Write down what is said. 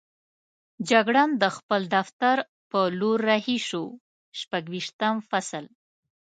جګړن د خپل دفتر په لور رهي شو، شپږویشتم فصل.